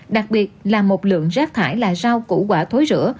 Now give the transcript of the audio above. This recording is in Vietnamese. đặc biệt là một lượng rác thải là rau củ quả thối rửa